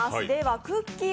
くっきー！